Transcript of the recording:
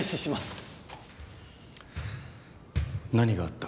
何があった？